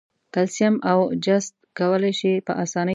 کلسیم او جست کولای شي په آساني تعامل وکړي.